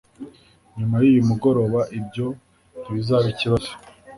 Nyuma yuyu mugoroba ibyo ntibizaba ikibazo